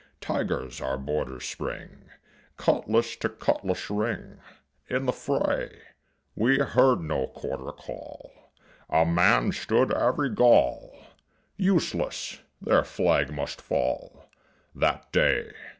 Tigers our boarders spring, Cutlass to cutlass ring, In the fray. We heard no quarter call: A man stood every Gaul! Useless, their flag must fall That day.